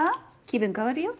気分変わるよ。